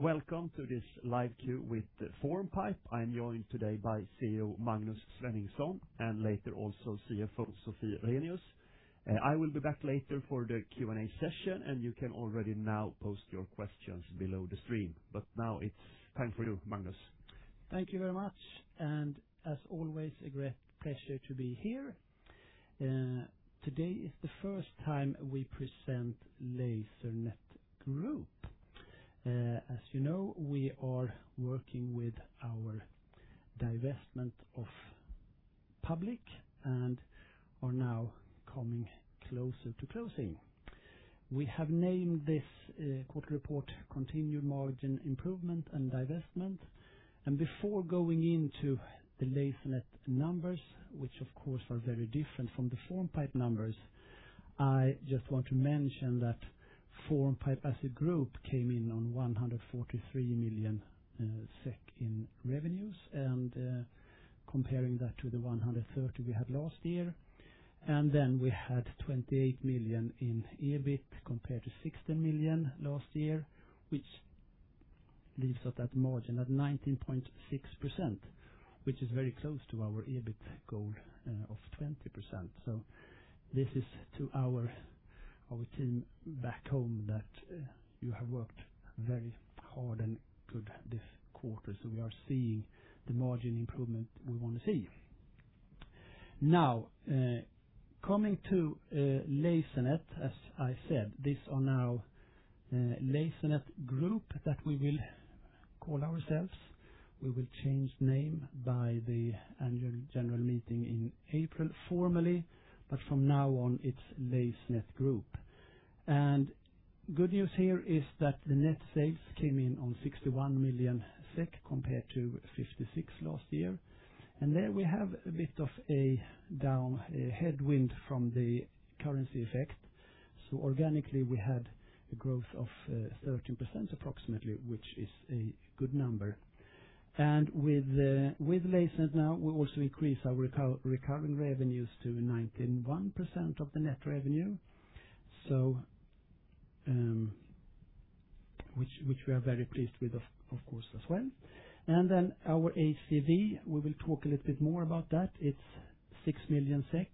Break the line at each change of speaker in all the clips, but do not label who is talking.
Welcome to this live Q with Formpipe. I'm joined today by CEO Magnus Svenningsen and later also CFO Sophie Reinius. I will be back later for the Q&A session, and you can already now post your questions below the stream. Now it's time for you, Magnus.
Thank you very much. As always, a great pleasure to be here. Today is the first time we present Lasernet Group. As you know, we are working with our divestment of public and are now coming closer to closing. We have named this quarter report Continued Margin Improvement and Divestment. Before going into the Lasernet numbers, which of course are very different from the Formpipe numbers, I just want to mention that Formpipe as a group came in on 143 million SEK in revenues and comparing that to the 130 million we had last year. We had 28 million in EBIT compared to 16 million last year, which leaves us at margin at 19.6%, which is very close to our EBIT goal of 20%. This is to our team back home that you have worked very hard and good this quarter. We are seeing the margin improvement we want to see. Now, coming to Lasernet, as I said, these are now Lasernet Group that we will call ourselves. We will change name by the annual general meeting in April formally, but from now on it's Lasernet Group. Good news here is that the net sales came in on 61 million SEK compared to 56 million last year. There we have a bit of a headwind from the currency effect. Organically we had a growth of approximately 13%, which is a good number. With Lasernet now, we also increase our recurring revenues to 91% of the net revenue, which we are very pleased with, of course, as well. Our ACV, we will talk a little bit more about that. It's 6 million SEK.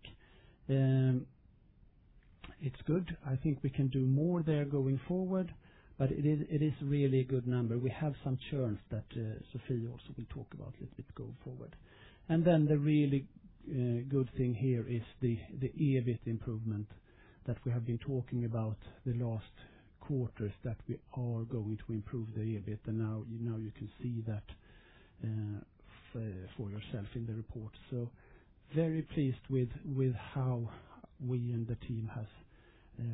It's good. I think we can do more there going forward, but it is really a good number. We have some churns that Sophie also will talk about a little bit going forward. The really good thing here is the EBIT improvement that we have been talking about the last quarters that we are going to improve the EBIT. Now you can see that for yourself in the report. Very pleased with how we and the team have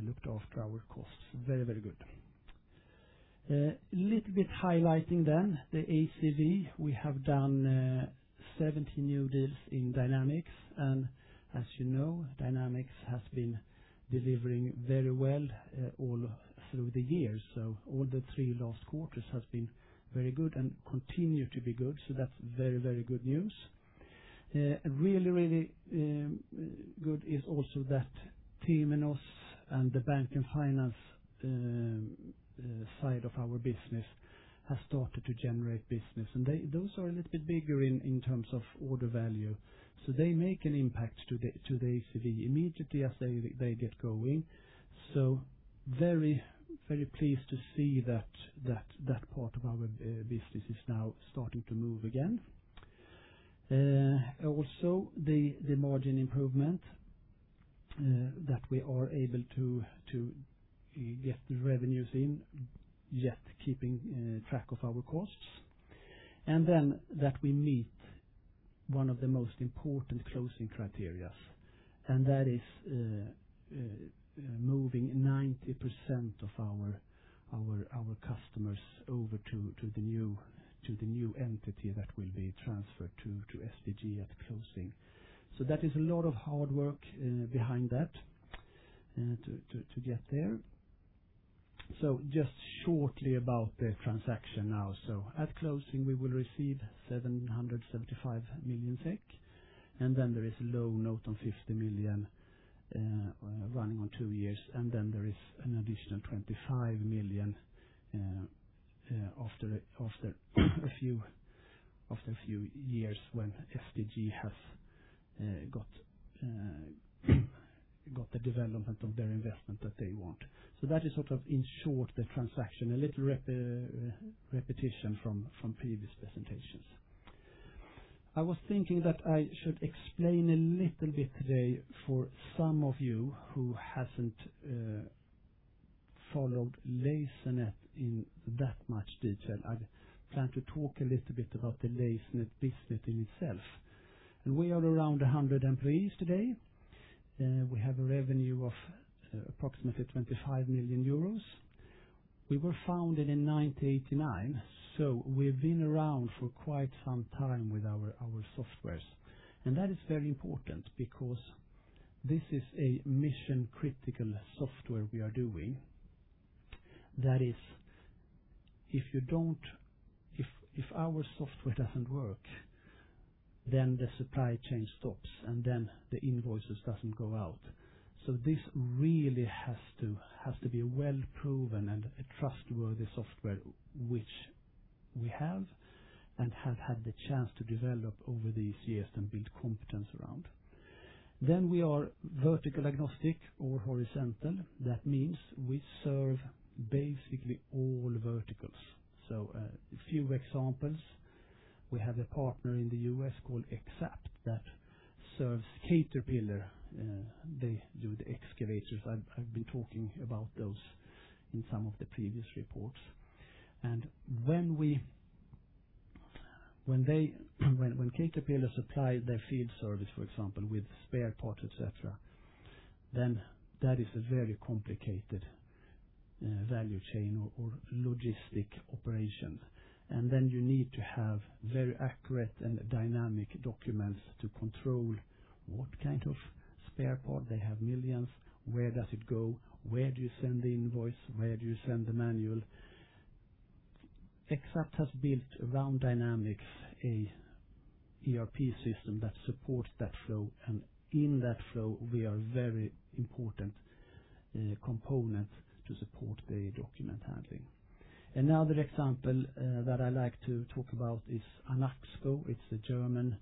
looked after our costs. Very, very good. A little bit highlighting then the ACV. We have done 70 new deals in Dynamics. As you know, Dynamics has been delivering very well all through the years. All the three last quarters have been very good and continue to be good. That is very, very good news. Really, really good is also that Tim and us and the bank and finance side of our business have started to generate business. Those are a little bit bigger in terms of order value. They make an impact to the ACV immediately as they get going. Very, very pleased to see that that part of our business is now starting to move again. Also, the margin improvement that we are able to get the revenues in yet keeping track of our costs. We meet one of the most important closing criteria, and that is moving 90% of our customers over to the new entity that will be transferred to SDG at closing. That is a lot of hard work behind that to get there. Just shortly about the transaction now. At closing, we will receive 775 million SEK. There is a low note on 50 million running on two years. There is an additional SEK 25 million after a few years when SDG has got the development of their investment that they want. That is sort of in short the transaction. A little repetition from previous presentations. I was thinking that I should explain a little bit today for some of you who have not followed Lasernet in that much detail. I plan to talk a little bit about the Lasernet business in itself. We are around 100 employees today. We have a revenue of approximately 25 million euros. We were founded in 1989. We have been around for quite some time with our softwares. That is very important because this is a mission-critical software we are doing. That is, if our software doesn't work, the supply chain stops and the invoices don't go out. This really has to be a well-proven and trustworthy software which we have and have had the chance to develop over these years and build competence around. We are vertical agnostic or horizontal. That means we serve basically all verticals. A few examples. We have a partner in the U.S. called XAPT that serves Caterpillar. They do the excavators. I've been talking about those in some of the previous reports. When Caterpillar supplies their field service, for example, with spare parts, etc., that is a very complicated value chain or logistic operation. You need to have very accurate and dynamic documents to control what kind of spare part they have, millions, where does it go, where do you send the invoice, where do you send the manual. XAPT has built around Dynamics an ERP system that supports that flow. In that flow, we are a very important component to support the document handling. Another example that I like to talk about is Anaxco. It is a German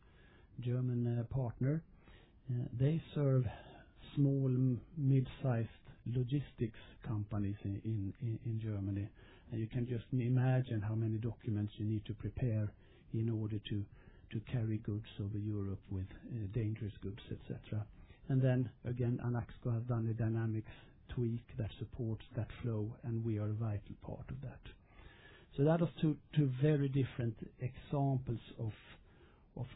partner. They serve small, mid-sized logistics companies in Germany. You can just imagine how many documents you need to prepare in order to carry goods over Europe with dangerous goods, etc. Again, Anaxco has done a Dynamics tweak that supports that flow, and we are a vital part of that. That was two very different examples of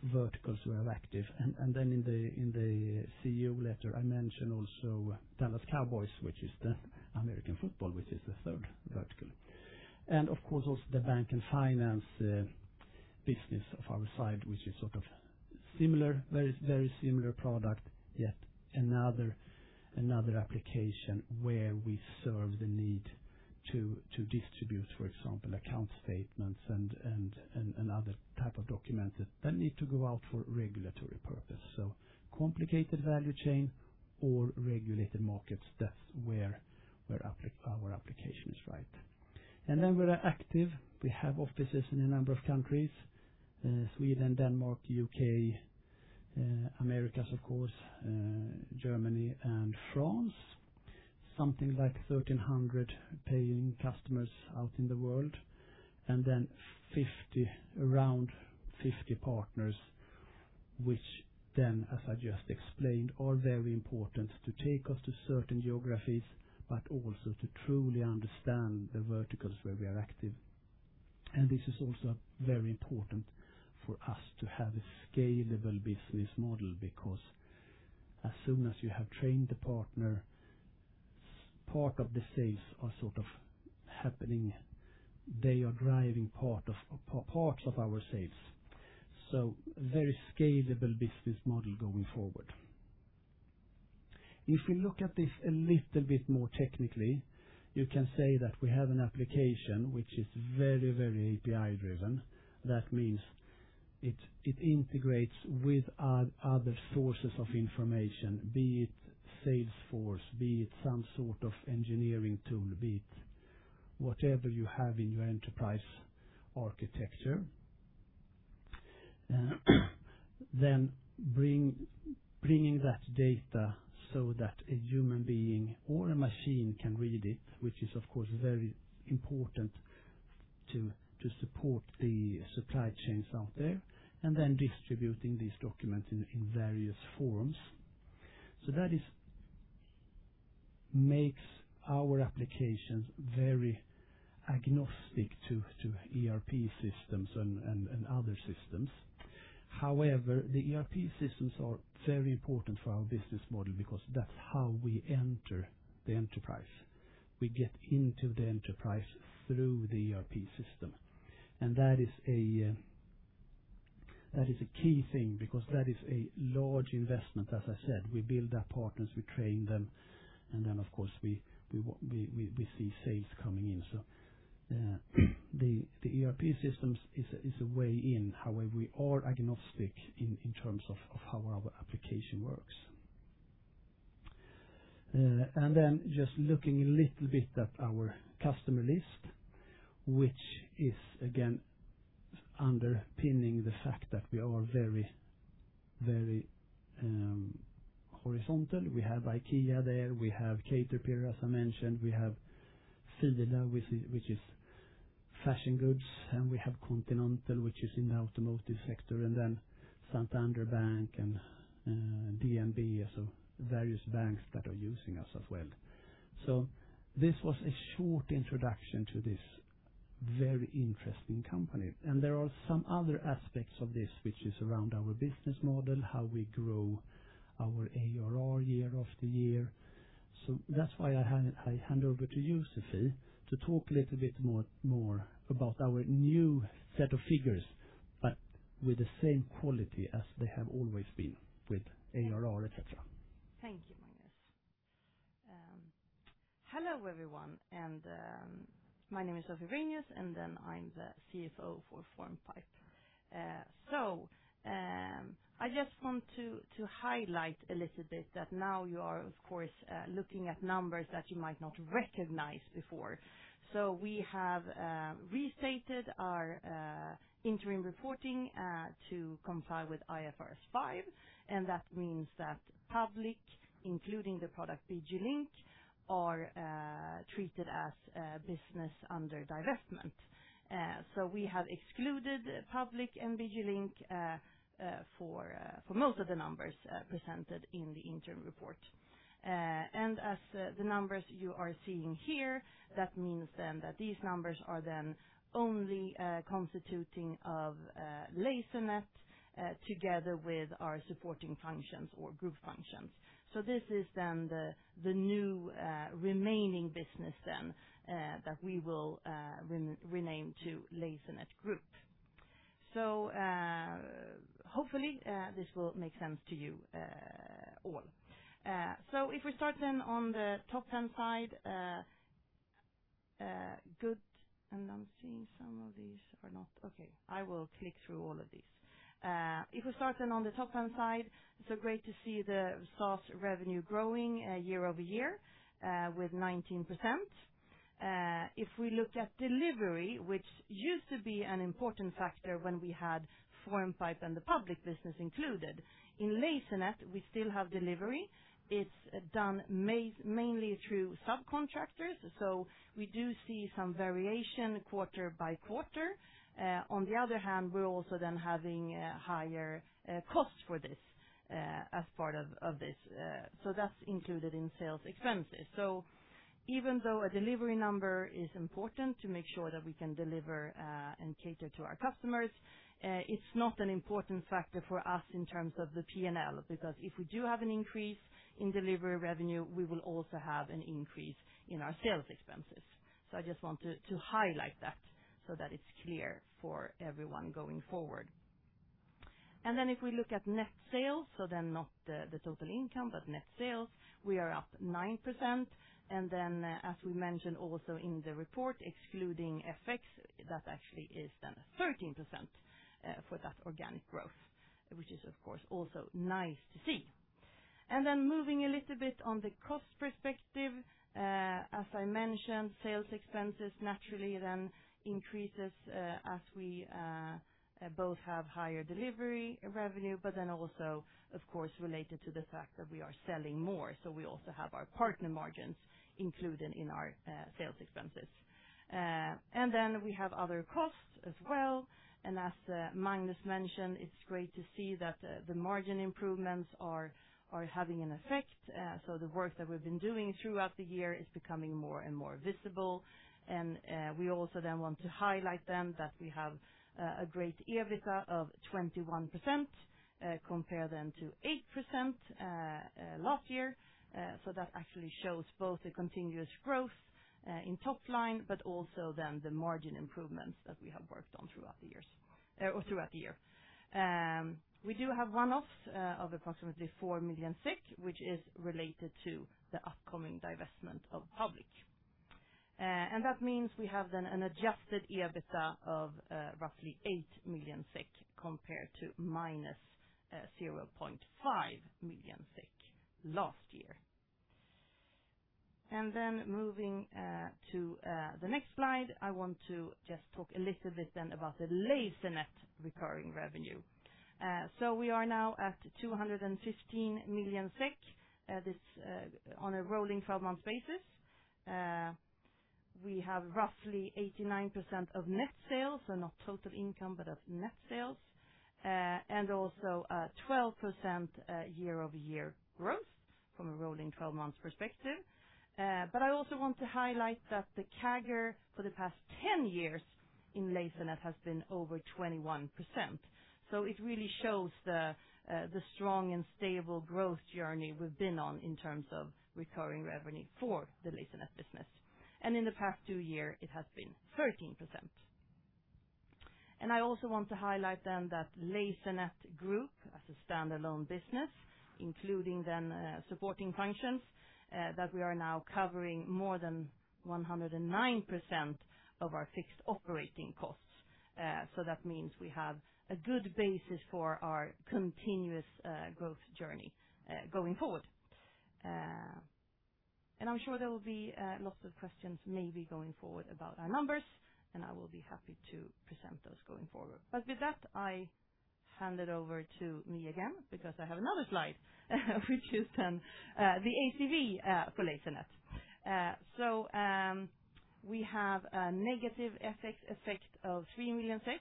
verticals we have active. In the CEO letter, I mentioned also Dallas Cowboys, which is the American football, which is the third vertical. Of course, also the bank and finance business of our side, which is sort of similar, very similar product, yet another application where we serve the need to distribute, for example, account statements and other types of documents that need to go out for regulatory purposes. Complicated value chain or regulated markets, that's where our application is right. We are active. We have offices in a number of countries: Sweden, Denmark, U.K., Americas, Germany, and France. Something like 1,300 paying customers out in the world. Around 50 partners, which then, as I just explained, are very important to take us to certain geographies, but also to truly understand the verticals where we are active. This is also very important for us to have a scalable business model because as soon as you have trained the partners, part of the sales are sort of happening. They are driving parts of our sales. Very scalable business model going forward. If we look at this a little bit more technically, you can say that we have an application which is very, very API-driven. That means it integrates with other sources of information, be it Salesforce, be it some sort of engineering tool, be it whatever you have in your enterprise architecture. Bringing that data so that a human being or a machine can read it, which is, of course, very important to support the supply chains out there. Distributing these documents in various forms makes our applications very agnostic to ERP systems and other systems. However, the ERP systems are very important for our business model because that's how we enter the enterprise. We get into the enterprise through the ERP system. That is a key thing because that is a large investment, as I said. We build up partners, we train them, and of course, we see sales coming in. The ERP system is a way in. However, we are agnostic in terms of how our application works. Just looking a little bit at our customer list, which is, again, underpinning the fact that we are very, very horizontal. We have IKEA there. We have Caterpillar, as I mentioned. We have Fila, which is fashion goods. We have Continental, which is in the automotive sector. Then Santander Bank and DNB, so various banks that are using us as well. This was a short introduction to this very interesting company. There are some other aspects of this, which is around our business model, how we grow our ARR year after year. That is why I hand over to you, Sophie, to talk a little bit more about our new set of figures, but with the same quality as they have always been with ARR, etc.
Thank you, Magnus. Hello, everyone. My name is Sophie Reinius, and I am the CFO for Formpipe. I just want to highlight a little bit that now you are, of course, looking at numbers that you might not recognize before. We have restated our interim reporting to comply with IFRS 5. That means that public, including the product BGLink, are treated as business under divestment. We have excluded public and BGLink for most of the numbers presented in the interim report. As the numbers you are seeing here, that means these numbers are only constituting Lasernet together with our supporting functions or group functions. This is the new remaining business that we will rename to Lasernet Group. Hopefully this will make sense to you all. If we start on the top 10 side, good. I am seeing some of these are not okay. I will click through all of these. If we start on the top 10 side, great to see the SaaS revenue growing year over year with 19%. If we look at delivery, which used to be an important factor when we had Formpipe and the public business included, in Lasernet, we still have delivery. It's done mainly through subcontractors. We do see some variation quarter by quarter. On the other hand, we're also then having higher costs for this as part of this. That's included in sales expenses. Even though a delivery number is important to make sure that we can deliver and cater to our customers, it's not an important factor for us in terms of the P&L because if we do have an increase in delivery revenue, we will also have an increase in our sales expenses. I just want to highlight that so that it's clear for everyone going forward. If we look at net sales, not the total income, but net sales, we are up 9%. As we mentioned also in the report, excluding FX, that actually is then 13% for that organic growth, which is, of course, also nice to see. Moving a little bit on the cost perspective, as I mentioned, sales expenses naturally then increase as we both have higher delivery revenue, but also, of course, related to the fact that we are selling more. We also have our partner margins included in our sales expenses. We have other costs as well. As Magnus mentioned, it is great to see that the margin improvements are having an effect. The work that we have been doing throughout the year is becoming more and more visible. We also want to highlight that we have a great EBITDA of 21% compared to 8% last year. That actually shows both a continuous growth in top line, but also then the margin improvements that we have worked on throughout the years or throughout the year. We do have one-offs of approximately 4 million, which is related to the upcoming divestment of public. That means we have then an adjusted EBITDA of roughly 8 million SEK compared to minus 0.5 million SEK last year. Moving to the next slide, I want to just talk a little bit then about the Lasernet recurring revenue. We are now at 215 million SEK on a rolling 12-month basis. We have roughly 89% of net sales, so not total income, but of net sales. Also 12% year-over-year growth from a rolling 12-month perspective. I also want to highlight that the CAGR for the past 10 years in Lasernet has been over 21%. It really shows the strong and stable growth journey we have been on in terms of recurring revenue for the Lasernet business. In the past two years, it has been 13%. I also want to highlight then that Lasernet Group, as a standalone business, including then supporting functions, that we are now covering more than 109% of our fixed operating costs. That means we have a good basis for our continuous growth journey going forward. I am sure there will be lots of questions maybe going forward about our numbers, and I will be happy to present those going forward. With that, I hand it over to me again because I have another slide, which is then the ACV for Lasernet. We have a negative FX effect of 3 million SEK,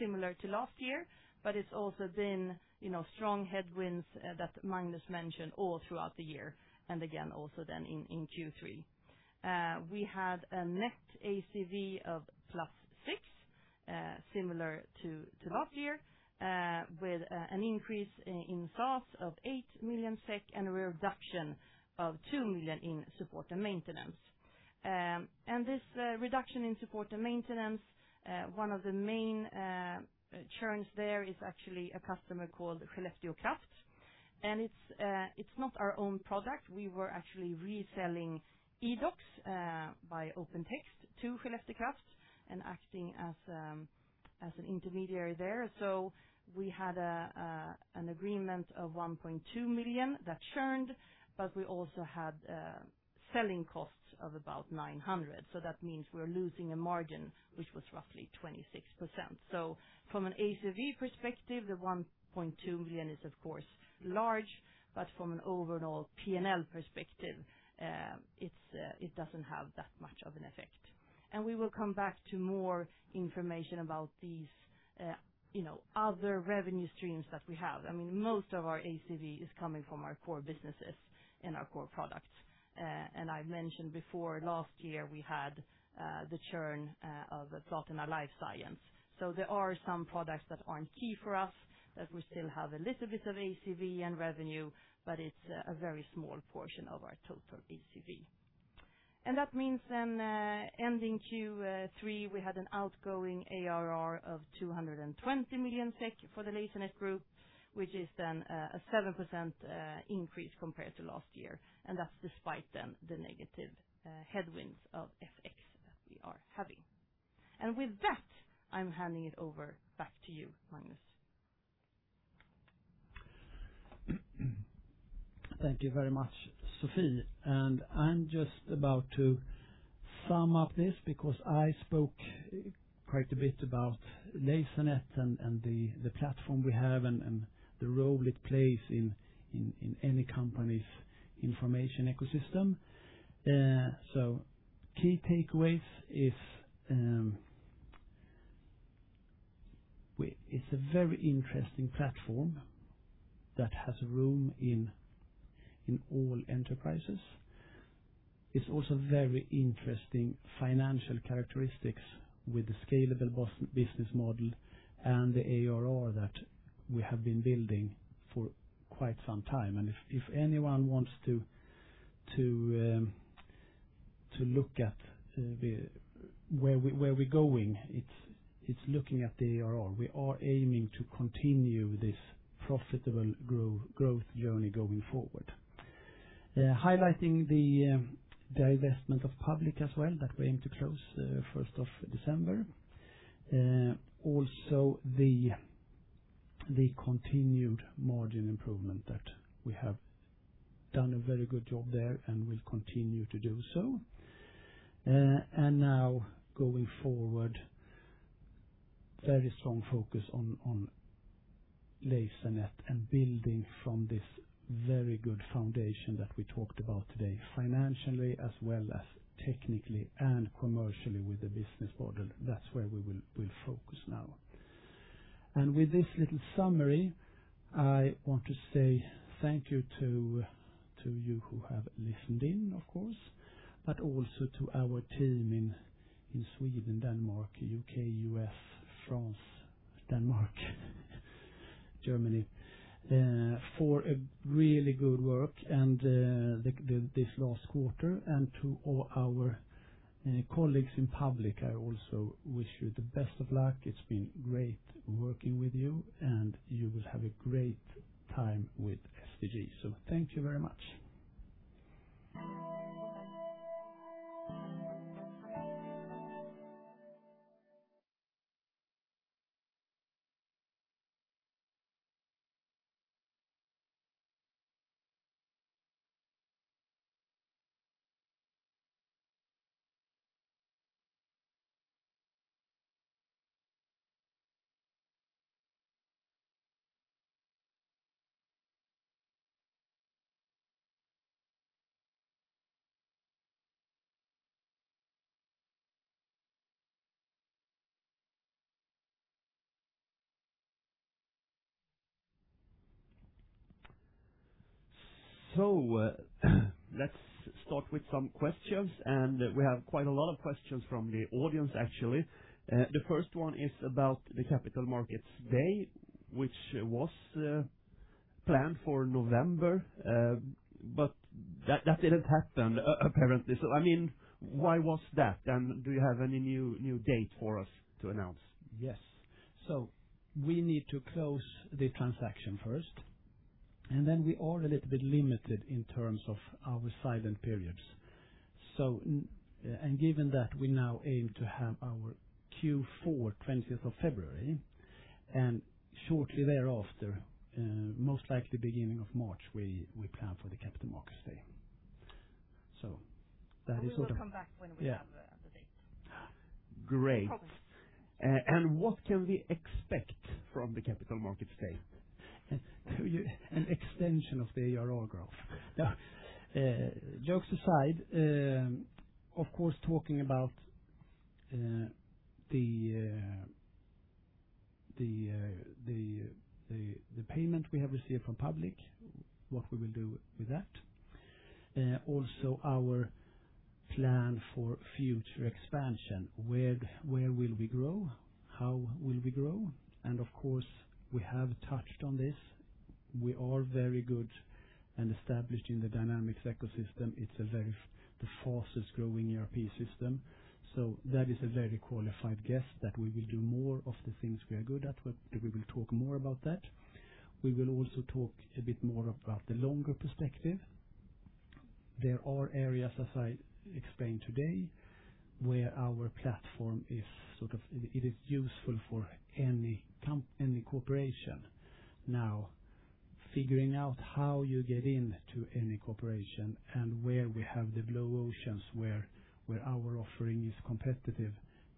similar to last year, but it's also been strong headwinds that Magnus mentioned all throughout the year. Again, also then in Q3. We had a net ACV of +6, similar to last year, with an increase in SaaS of 8 million SEK and a reduction of 2 million in support and maintenance. This reduction in support and maintenance, one of the main churns there is actually a customer called Skellefteå Kraft. It's not our own product. We were actually reselling eDocs by OpenText to Skellefteå Kraft and acting as an intermediary there. We had an agreement of 1.2 million that churned, but we also had selling costs of about 900,000. That means we were losing a margin, which was roughly 26%. From an ACV perspective, the 1.2 million is, of course, large, but from an overall P&L perspective, it does not have that much of an effect. We will come back to more information about these other revenue streams that we have. I mean, most of our ACV is coming from our core businesses and our core products. I mentioned before, last year, we had the churn of Plot in our Life Science. There are some products that are not key for us, that we still have a little bit of ACV and revenue, but it is a very small portion of our total ACV. That means then ending Q3, we had an outgoing ARR of 220 million SEK for the Lasernet Group, which is then a 7% increase compared to last year. That is despite the negative headwinds of FX that we are having. With that, I'm handing it over back to you, Magnus.
Thank you very much, Sophie. I'm just about to sum up this because I spoke quite a bit about Lasernet and the platform we have and the role it plays in any company's information ecosystem. Key takeaways are it's a very interesting platform that has room in all enterprises. It's also very interesting financial characteristics with the scalable business model and the ARR that we have been building for quite some time. If anyone wants to look at where we're going, it's looking at the ARR. We are aiming to continue this profitable growth journey going forward. Highlighting the divestment of public as well that we aim to close 1st of December. Also the continued margin improvement that we have done a very good job there and will continue to do so. Now going forward, very strong focus on Lasernet and building from this very good foundation that we talked about today, financially as well as technically and commercially with the business model. That is where we will focus now. With this little summary, I want to say thank you to you who have listened in, of course, but also to our team in Sweden, Denmark, U.K., U.S., France, Denmark, Germany for really good work in this last quarter. To all our colleagues in public, I also wish you the best of luck. It has been great working with you, and you will have a great time with SDG. Thank you very much.
Let's start with some questions. We have quite a lot of questions from the audience, actually. The first one is about the capital markets day, which was planned for November, but that did not happen apparently. I mean, why was that? Do you have any new date for us to announce?
Yes. We need to close the transaction first. We are a little bit limited in terms of our silent periods. Given that we now aim to have our Q4, 20th of February, and shortly thereafter, most likely beginning of March, we plan for the capital markets day. That is sort of. We will come back when we have the date.
Great. What can we expect from the capital markets day? An extension of the ARR growth. Jokes aside, of course, talking about the payment we have received from public, what we will do with that. Also our plan for future expansion. Where will we grow? How will we grow? Of course, we have touched on this. We are very good and established in the Dynamics ecosystem. It's the fastest growing ERP system. That is a very qualified guess that we will do more of the things we are good at, but we will talk more about that. We will also talk a bit more about the longer perspective. There are areas, as I explained today, where our platform is sort of useful for any corporation. Now, figuring out how you get into any corporation and where we have the blue oceans where our offering is competitive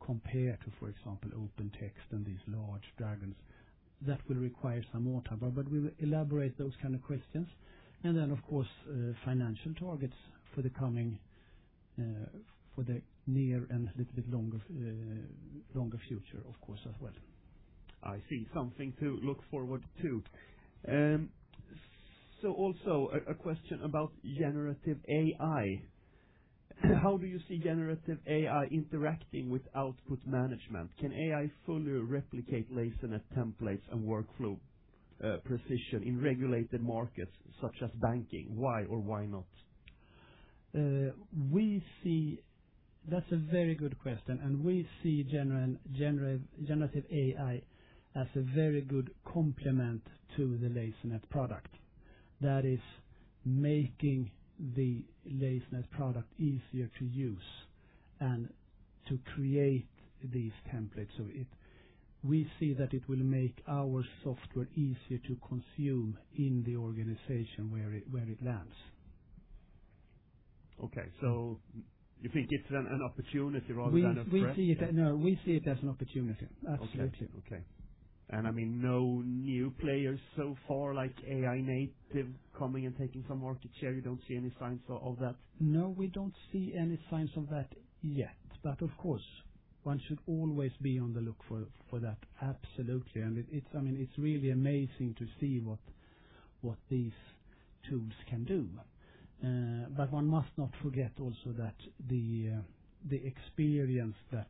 compared to, for example, OpenText and these large dragons, that will require some more time. We will elaborate those kind of questions. Of course, financial targets for the near and a little bit longer future, of course, as well. I see. Something to look forward to. Also a question about generative AI. How do you see generative AI interacting with output management? Can AI fully replicate Lasernet templates and workflow precision in regulated markets such as banking? Why or why not? That is a very good question. We see generative AI as a very good complement to the Lasernet product. That is making the Lasernet product easier to use and to create these templates. We see that it will make our software easier to consume in the organization where it lands. Okay. You think it is an opportunity rather than a threat?
We see it as an opportunity.
Absolutely. Okay. I mean, no new players so far like AI native coming and taking some market share. You do not see any signs of that?
No, we do not see any signs of that yet. Of course, one should always be on the look for that. Absolutely. I mean, it's really amazing to see what these tools can do. One must not forget also that the experience that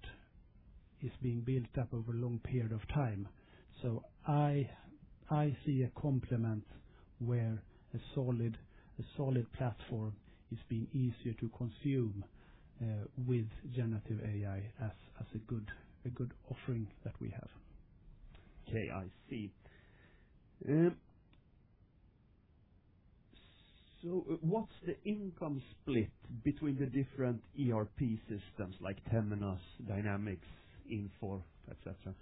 is being built up over a long period of time. I see a complement where a solid platform is being easier to consume with generative AI as a good offering that we have. Okay. I see. What's the income split between the different ERP systems like Temenos, Dynamics, Infor, etc.?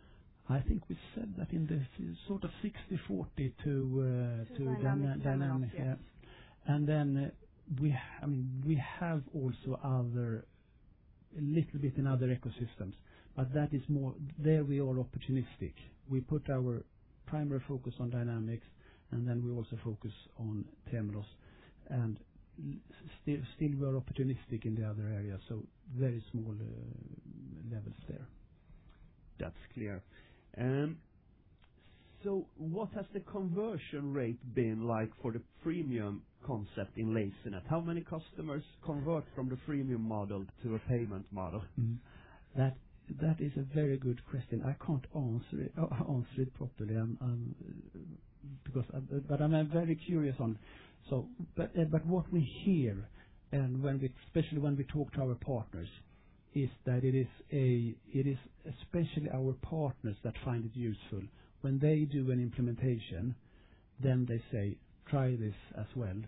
I think we said that in the sort of 60-40 to Dynamics. Then we have also a little bit in other ecosystems, but that is more there we are opportunistic. We put our primary focus on Dynamics, and then we also focus on Temenos. Still, we are opportunistic in the other areas. Very small levels there.
That's clear. What has the conversion rate been like for the premium concept in Lasernet? How many customers convert from the freemium model to a payment model?
That is a very good question. I can't answer it properly because I'm very curious on. What we hear, especially when we talk to our partners, is that it is especially our partners that find it useful. When they do an implementation, they say, "Try this as well."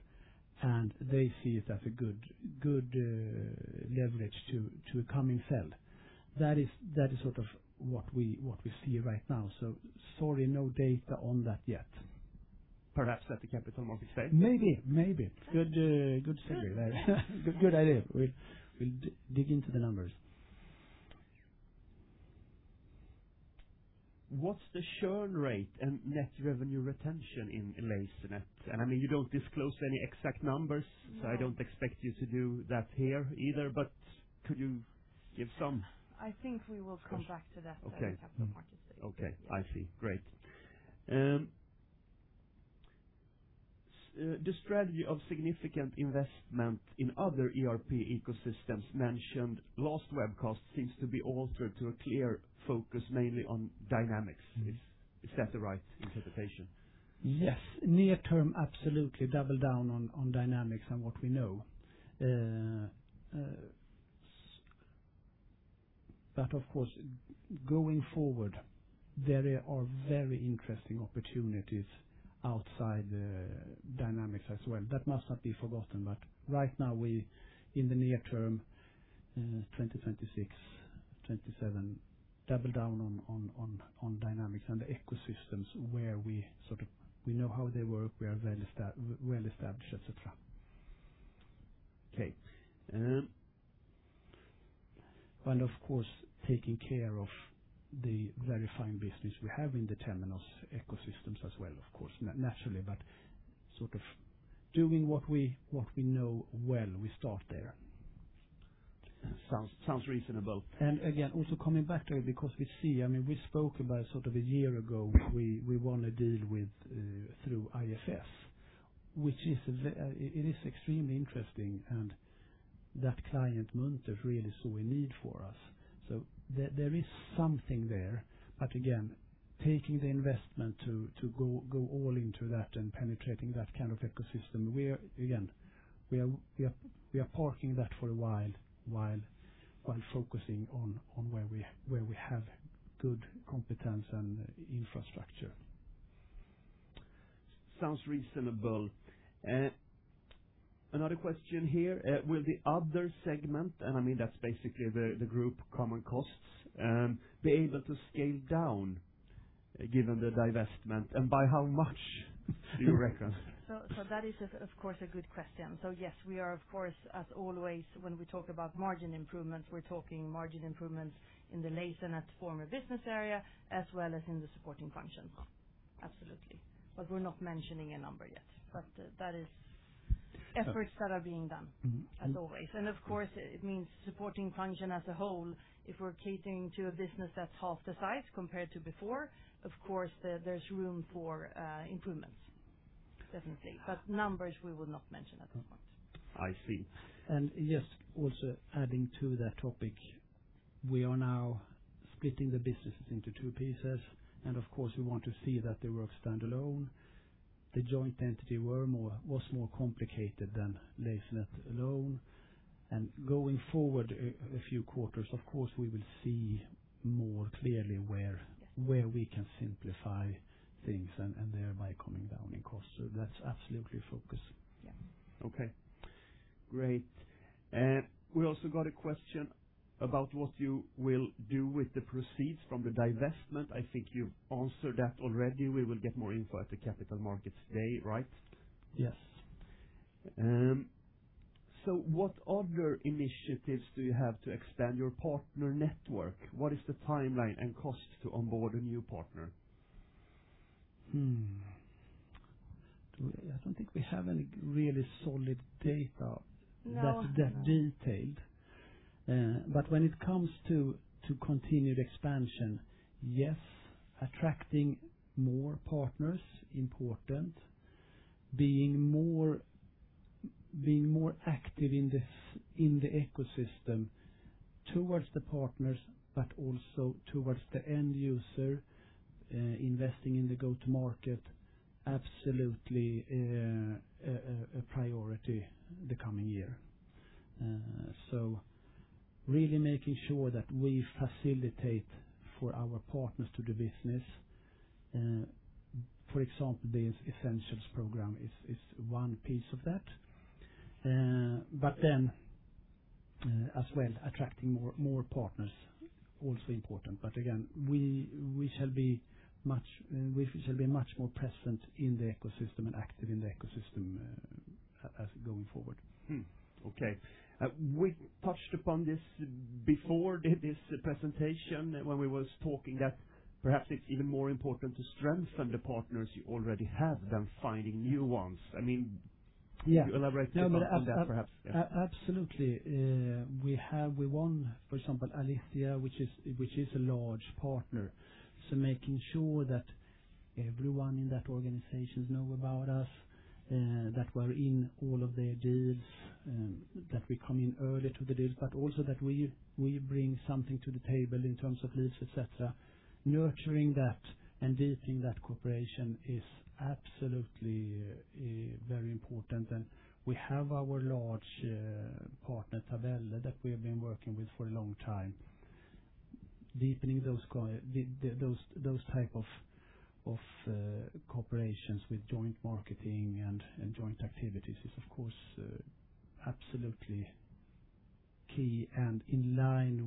They see it as a good leverage to a coming sell. That is sort of what we see right now. Sorry, no data on that yet. Perhaps at the capital markets day? Maybe. Maybe. Good segue there. Good idea. We'll dig into the numbers.
What's the churn rate and net revenue retention in Lasernet? I mean, you do not disclose any exact numbers, so I do not expect you to do that here either, but could you give some?
I think we will come back to that at the capital markets day.
Okay. I see. Great. The strategy of significant investment in other ERP ecosystems mentioned last webcast seems to be altered to a clear focus mainly on Dynamics. Is that the right interpretation?
Yes. Near-term, absolutely double down on Dynamics and what we know. Of course, going forward, there are very interesting opportunities outside Dynamics as well. That must not be forgotten. Right now, in the near term, 2026-2027, double down on Dynamics and the ecosystems where we know how they work, we are well established, etc. Okay. Of course, taking care of the verifying business we have in the Temenos ecosystems as well, naturally, but sort of doing what we know well, we start there.
Sounds reasonable.
Again, also coming back to it because we see, I mean, we spoke about sort of a year ago, we won a deal through IFS, which is extremely interesting. That client, Munters, really saw a need for us. There is something there. Again, taking the investment to go all into that and penetrating that kind of ecosystem, we are parking that for a while while focusing on where we have good competence and infrastructure.
Sounds reasonable. Another question here. Will the other segment, and I mean, that's basically the group, common costs, be able to scale down given the divestment? And by how much, do you reckon?
That is, of course, a good question. Yes, we are, of course, as always, when we talk about margin improvements, we're talking margin improvements in the Lasernet former business area as well as in the supporting functions. Absolutely. We're not mentioning a number yet. That is efforts that are being done, as always. Of course, it means supporting function as a whole. If we're catering to a business that's half the size compared to before, of course, there's room for improvements, definitely. Numbers, we will not mention at this point. I see.
Yes, also adding to that topic, we are now splitting the business into two pieces. Of course, we want to see that they work standalone. The joint entity was more complicated than Lasernet alone. Going forward a few quarters, of course, we will see more clearly where we can simplify things and thereby come down in costs. That is absolutely a focus.
Okay. Great. We also got a question about what you will do with the proceeds from the divestment. I think you have answered that already. We will get more info at the capital markets day, right?
Yes.
What other initiatives do you have to expand your partner network? What is the timeline and cost to onboard a new partner?
I do not think we have any really solid data that detailed. When it comes to continued expansion, yes, attracting more partners is important, being more active in the ecosystem towards the partners, but also towards the end user, investing in the go-to-market, absolutely a priority the coming year. Really making sure that we facilitate for our partners to do business. For example, the Essentials program is one piece of that. As well, attracting more partners is also important. Again, we shall be much more present in the ecosystem and active in the ecosystem going forward.
Okay. We touched upon this before this presentation when we were talking that perhaps it's even more important to strengthen the partners you already have than finding new ones. I mean, could you elaborate on that perhaps?
Absolutely. We have, for example, Alithya, which is a large partner. Making sure that everyone in that organization knows about us, that we're in all of their deals, that we come in early to the deals, but also that we bring something to the table in terms of leads, etc. Nurturing that and deepening that cooperation is absolutely very important. We have our large partner Tabella that we have been working with for a long time. Deepening those types of cooperations with joint marketing and joint activities is, of course, absolutely key and in line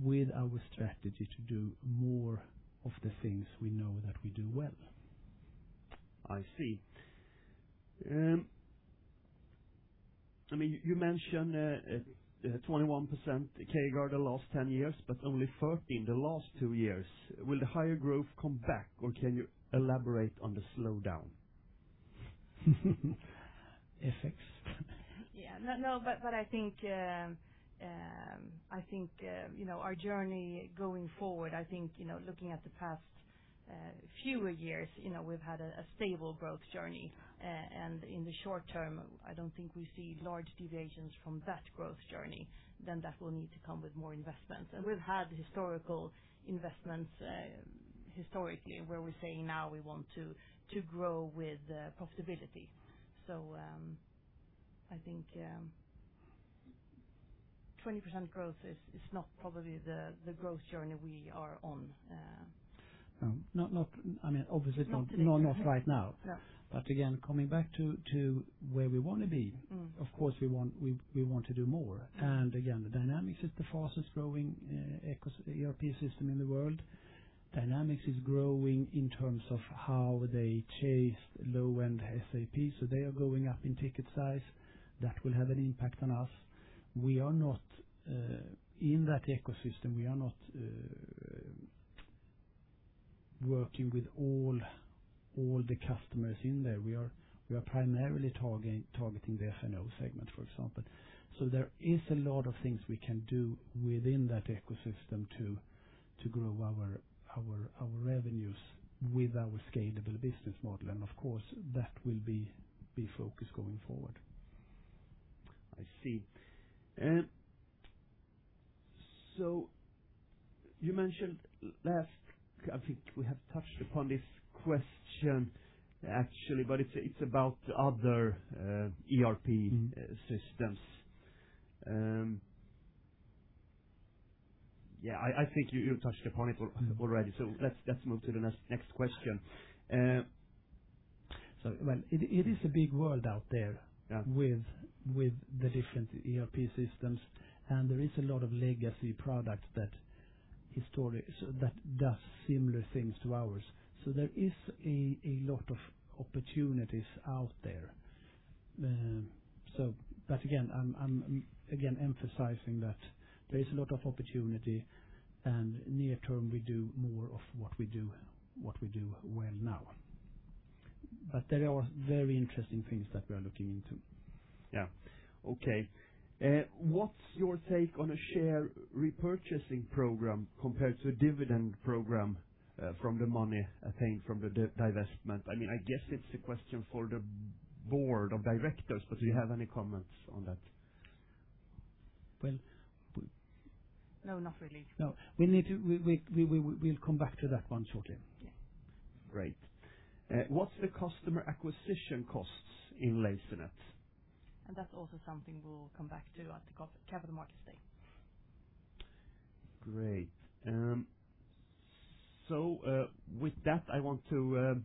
with our strategy to do more of the things we know that we do well.
I see. I mean, you mentioned 21% CAGR the last 10 years, but only 13% the last two years. Will the higher growth come back, or can you elaborate on the slowdown?
Ethics.
Yeah. No, but I think our journey going forward, I think looking at the past few years, we've had a stable growth journey. In the short term, I don't think we see large deviations from that growth journey. That will need to come with more investments. We've had investments historically where we're saying now we want to grow with profitability. I think 20% growth is not probably the growth journey we are on.
I mean, obviously, not right now. Again, coming back to where we want to be, of course, we want to do more. Again, Dynamics is the fastest growing ERP system in the world. Dynamics is growing in terms of how they chase low-end SAP. They are going up in ticket size. That will have an impact on us. We are not in that ecosystem. We are not working with all the customers in there. We are primarily targeting the F&O segment, for example. There is a lot of things we can do within that ecosystem to grow our revenues with our scalable business model. Of course, that will be the focus going forward.
I see. You mentioned last, I think we have touched upon this question, actually, but it's about other ERP systems. Yeah. I think you touched upon it already. Let's move to the next question.
It is a big world out there with the different ERP systems. There is a lot of legacy products that do similar things to ours. There is a lot of opportunities out there. Again, I'm again emphasizing that there is a lot of opportunity. Near term, we do more of what we do well now. There are very interesting things that we are looking into.
Yeah. Okay. What's your take on a share repurchasing program compared to a dividend program from the money attained from the divestment? I mean, I guess it's a question for the board of directors, but do you have any comments on that?
No, not really. No. We'll come back to that one shortly.
Yeah. Great. What's the customer acquisition costs in Lasernet?
And that's also something we'll come back to at the capital markets day.
Great. With that, I want to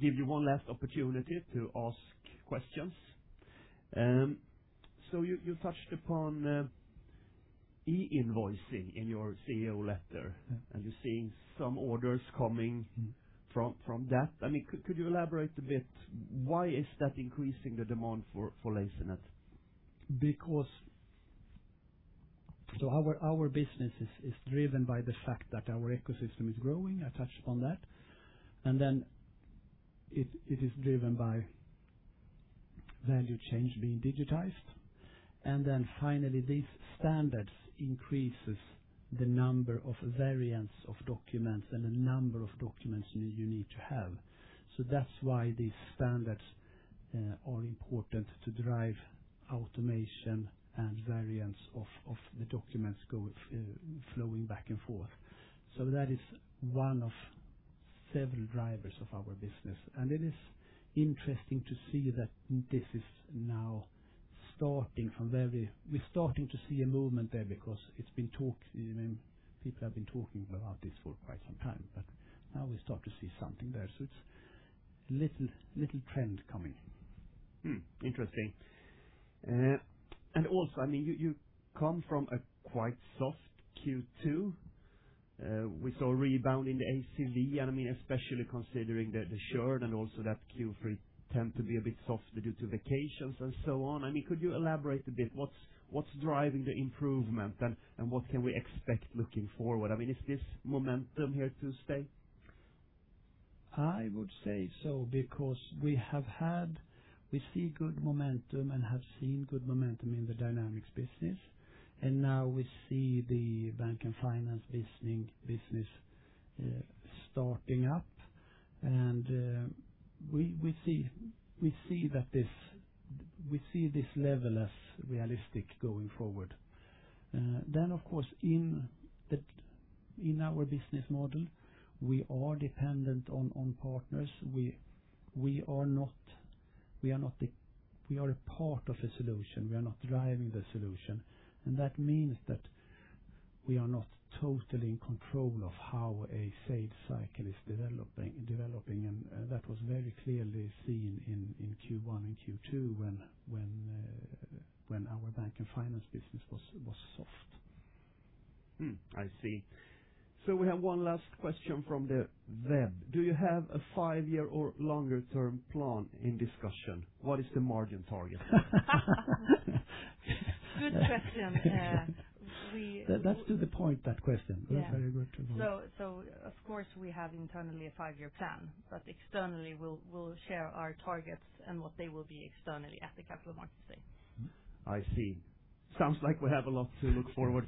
give you one last opportunity to ask questions.
You touched upon e-invoicing in your CEO letter, and you're seeing some orders coming from that. I mean, could you elaborate a bit? Why is that increasing the demand for Lasernet?
Our business is driven by the fact that our ecosystem is growing. I touched on that. It is driven by value chains being digitized. Finally, these standards increase the number of variants of documents and the number of documents you need to have. That's why these standards are important to drive automation and variants of the documents flowing back and forth. That is one of several drivers of our business. It is interesting to see that this is now starting from very—we're starting to see a movement there because it's been talked, people have been talking about this for quite some time. Now we start to see something there. It's a little trend coming.
Interesting. Also, I mean, you come from a quite soft Q2. We saw a rebound in the ACV, and I mean, especially considering the churn and also that Q3 tend to be a bit softer due to vacations and so on. I mean, could you elaborate a bit? What's driving the improvement, and what can we expect looking forward? I mean, is this momentum here to stay?
I would say so because we have had—we see good momentum and have seen good momentum in the Dynamics business. Now we see the bank and finance business starting up. We see this level as realistic going forward. Of course, in our business model, we are dependent on partners. We are a part of a solution. We are not driving the solution. That means we are not totally in control of how a sales cycle is developing. That was very clearly seen in Q1 and Q2 when our bank and finance business was soft.
I see. We have one last question from the web. Do you have a five-year or longer-term plan in discussion? What is the margin target?
Good question.
That is to the point, that question. That is very good to know.
Of course, we have internally a five-year plan.
Externally, we'll share our targets and what they will be externally at the capital markets day.
I see. Sounds like we have a lot to look forward to.